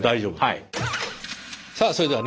さあそれではね